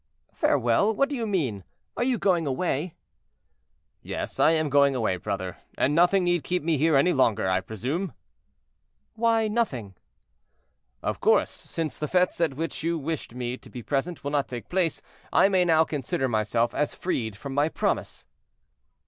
"Farewell! What do you mean? Are you going away?" "Yes, I am going away, brother, and nothing need keep me here any longer, I presume." "Why nothing?" "Of course, since the fetes at which you wished me to be present will not take place, I may now consider myself as freed from my promise."